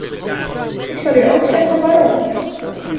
Ik zal u ook zeggen waarom.